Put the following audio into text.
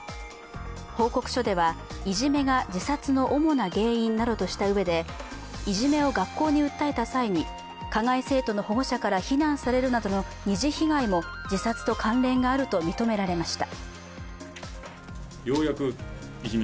報告書では、いじめが自殺の主な原因などとしたうえで、いじめを学校に訴えた際に加害生徒の保護者から非難されるなどの二次被害も自殺と関連があると認められました。